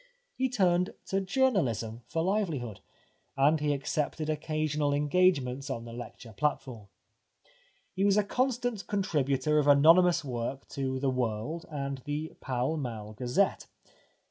He turned to journa lism for livelihood, and he accepted occasional engagements on the lecture platform. He was a constant contributor of anonymous work to 258 The Life of Oscar Wilde The World and The Pall Mall Gazette.